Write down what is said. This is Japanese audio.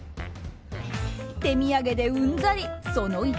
手土産でうんざり、その１。